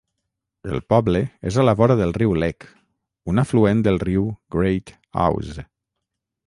El poble és a la vora del riu Leck, un afluent del riu Great Ouse.